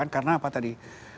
karena apa tadi